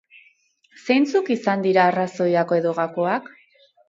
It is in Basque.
Zeintzuk izan dira arraoziak edo gakoak?